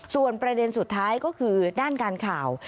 ส่วนประเด็นสุดท้ายก็คือด้านการข่าว